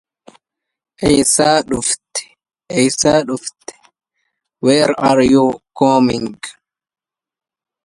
ما أرادت إلا الجفاء ظلوم